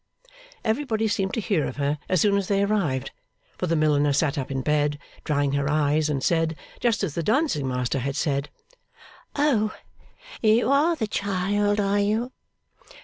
Everybody seemed to hear of her as soon as they arrived; for the milliner sat up in bed, drying her eyes, and said, just as the dancing master had said: 'Oh! You are the child, are you?